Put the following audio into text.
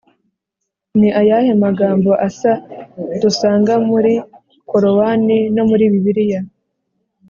ni ayahe magambo asa dusanga muri korowani no muri bibiliya?